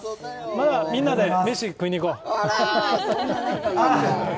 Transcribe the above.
また、みんなでメシ食いにいこう。